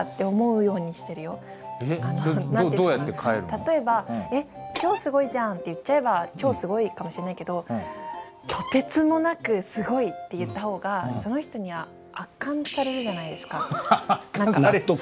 例えば「超すごいじゃん」って言っちゃえば超すごいかもしんないけど「とてつもなくすごい」って言った方がその人には圧巻されるじゃないですか。納得。